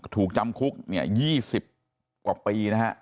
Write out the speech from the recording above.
ถูกจำคุก๒๐กว่าปีนะฮะ